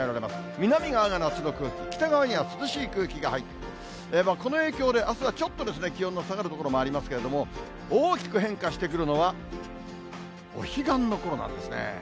南側が夏の空気、北側には涼しい空気が入って、この影響で、あすはちょっと気温の下がる所もありますけれども、大きく変化してくるのは、お彼岸のころなんですね。